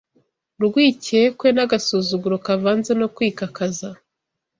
urwikekwe n’agasuzuro kavanze no kwikakaza